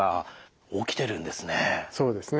そうですね。